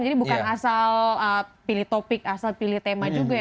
jadi bukan asal pilih topik asal pilih tema juga ya